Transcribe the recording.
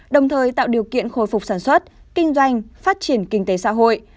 đồng thời tạo điều kiện khôi phục sản xuất kinh doanh phát triển kinh tế xã hội